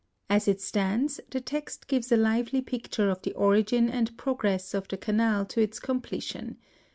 As it stands, the text gives a Uvely picture of the origin and progress of the Canal to its completion.